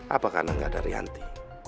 apakah enggak dari henti